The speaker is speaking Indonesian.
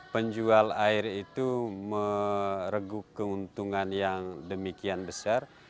penjual air itu meregup keuntungan yang demikian besar